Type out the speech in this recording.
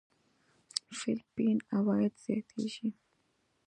فېليپين عوايد زياتېږي.